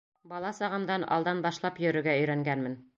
Бала сағымдан алдан башлап йөрөргә өйрәнгәнмен.